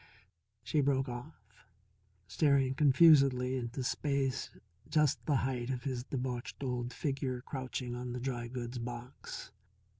She broke off, staring confusedly into space just the height of his debauched old figure crouching on the dry goods box.